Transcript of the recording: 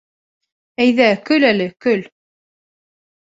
— Әйҙә, көл әле, көл!